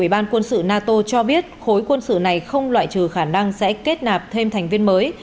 ủy ban quân sự nato cho biết khối quân sự này không loại trừ khả năng sẽ kết nạp thêm thành viên mới